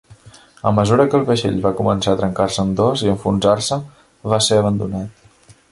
A mesura que el vaixell va començar a trencar-se en dos i a enfonsar-se, va ser abandonat.